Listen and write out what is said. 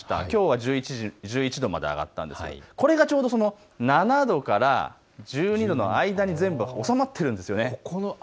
きょうは１１度まで上がったんですがこれがちょうど７度から１２度の間に全部、収まっているんです。